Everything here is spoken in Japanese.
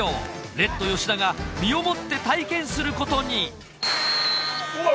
レッド吉田が身をもって体験することにうわっ！